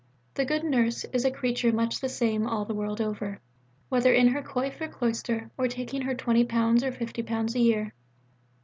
The good nurse is a creature much the same all the world over, whether in her coif and cloister, or taking her £20 or £50 a year.